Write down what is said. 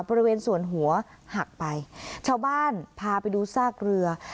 บริเวณส่วนหัวหักไปชาวบ้านพาไปดูซากเรือ